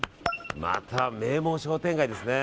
また、名門商店街ですね。